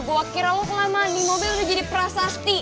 gue kira lo kelamaan nih mobil udah jadi prasasti